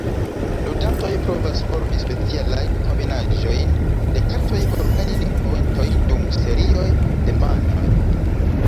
Ludantoj provas formi specialajn kombinaĵojn de kartoj por gajni poentojn dum serioj de manoj.